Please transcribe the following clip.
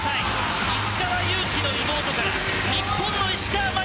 石川祐希の妹から日本の石川真佑へ。